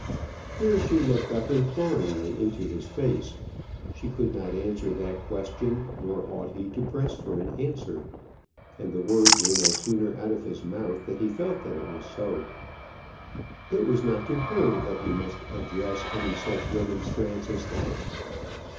Here she looked up imploringly into his face. She could not answer that question, nor ought he to press for an answer. And the words were no sooner out of his mouth than he felt that it was so. It was not to her that he must address any such remonstrance as that.